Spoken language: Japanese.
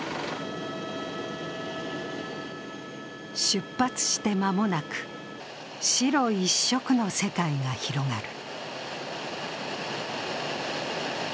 出発して間もなく、白一色の世界が広がる。